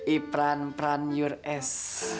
ipran pranjur s